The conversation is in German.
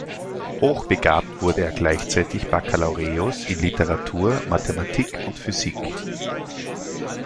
Hochbegabt, wurde er gleichzeitig Baccalaureus in Literatur, Mathematik und Physik.